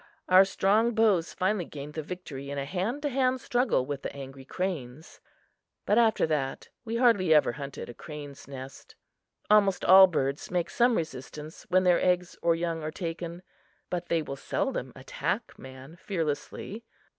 Our strong bows finally gained the victory in a hand to hand struggle with the angry cranes; but after that we hardly ever hunted a crane's nest. Almost all birds make some resistance when their eggs or young are taken, but they will seldom attack man fearlessly.